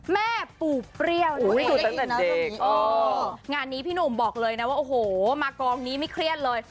แม่ปู่เปรี้ยวนะงานนี้พี่หนุ่มบอกเลยนะว่าโอ้โหมากองนี้ไม่เครียดเลย